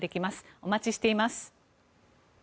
お待ちしています。